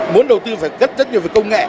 muốn đầu tư phải gấp rất nhiều về công nghệ